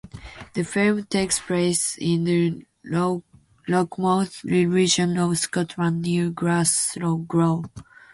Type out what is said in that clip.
The film takes place in the Lochmouth region of Scotland, near Glasgow.